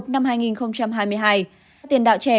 năm hai nghìn hai mươi hai tiền đạo trẻ